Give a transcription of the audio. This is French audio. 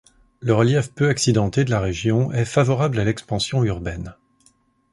Le relief peu accidenté de la région est favorable à l'expansion urbaine.